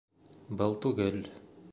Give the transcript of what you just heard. Был түгел.